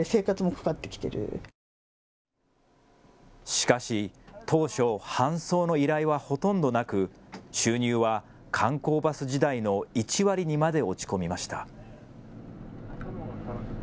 しかし当初、搬送の依頼はほとんどなく収入は観光バス時代の１割にまで落ち込みました。